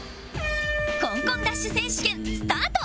コンコンダッシュ選手権スタート